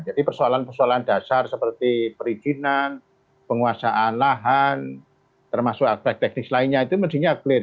jadi persoalan persoalan dasar seperti perizinan penguasaan lahan termasuk atas teknis lainnya itu mendingnya clear